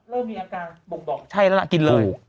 เริ่มมีอาการบอกเป็นล่ะกินเลย